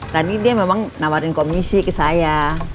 tadi dia memang nawarin komisi ke saya